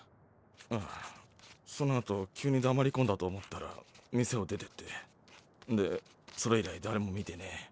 ああそのあと急に黙り込んだと思ったら店を出てってでそれ以来誰も見てねぇ。